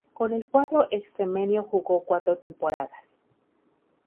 Con el cuadro extremeño jugó cuatro temporadas.